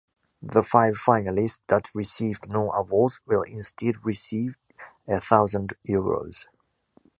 The five finalists that received no awards will instead receive a thousand euros.